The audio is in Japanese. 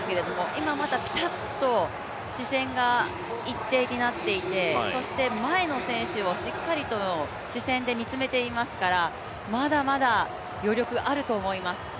今まだピタッと視線が一定になっていて、そして前の選手をしっかりと視線で見つめていますから、まだまだ余力あると思います。